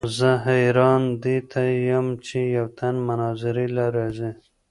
زۀ حېران دې ته يم چې يو تن مناظرې له راځي